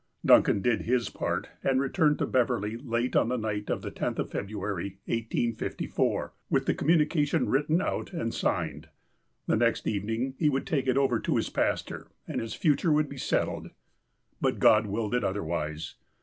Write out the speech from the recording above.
Duncan did his part, and returned to Beverley late at night on the tenth of February, 1854, with the communi cation written out and signed. The next evening he would take it over to his pastor, and his future would be settled. But God willed it otherwise.